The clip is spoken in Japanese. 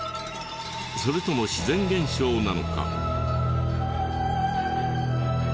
それとも自然現象なのか？